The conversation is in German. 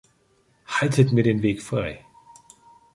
Haltet mir den Weg frei!